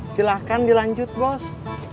silahkan dilanjut bos